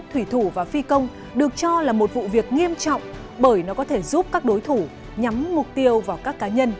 thủy thủ và phi công được cho là một vụ việc nghiêm trọng bởi nó có thể giúp các đối thủ nhắm mục tiêu vào các cá nhân